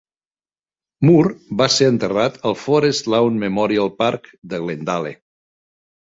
Moore va ser enterrat al Forest Lawn Memorial Park de Glendale.